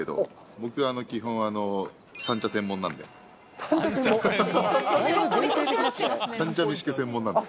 僕は基本、三茶専門なんで。